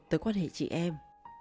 tới quan hệ chị em